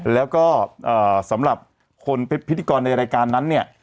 แล้วก็สำหรับคนเป็นพิธีกรในรายการนั้นเนี่ย